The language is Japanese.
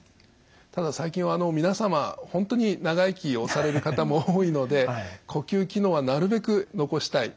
ただ最近は皆様本当に長生きをされる方も多いので呼吸機能はなるべく残したい。